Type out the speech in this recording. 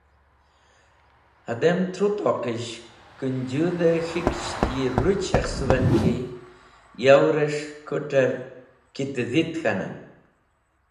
Hadem Tru-toqishes̃h, Kũnjũdh-e K̃hikisht yi rũj shekhsũven ki yow’res̃h kũt̃ter “Kitdhit” k̃hanen.